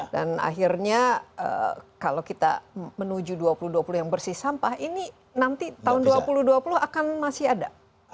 dan akhirnya kalau kita menuju dua ribu dua puluh yang bersih sampah ini nanti tahun dua ribu dua puluh akan masih ada